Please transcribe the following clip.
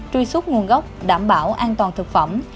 truy xuất nguồn gốc đảm bảo an toàn thực phẩm